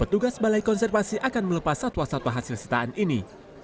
petugas balai konservasi akan melepas satwa satwa hasil sitaan ini